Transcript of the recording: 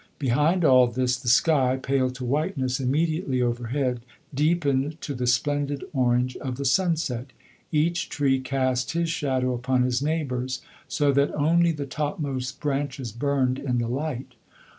Behind all this the sky, pale to whiteness immediately overhead, deepened to the splendid orange of the sunset. Each tree cast his shadow upon his neighbour, so that only the topmost branches burned in the light.